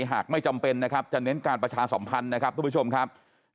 หากไม่จำเป็นนะครับจะเน้นการประชาสัมพันธ์นะครับทุกผู้ชมครับ